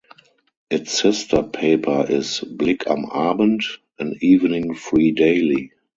Its sister paper is "Blick am Abend", an evening free daily.